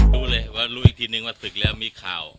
รู้เลยว่ารู้อีกทีนึงว่าศึกแล้วมีข่าว